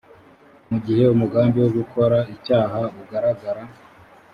mu gihe umugambi wo gukora icyaha ugaragara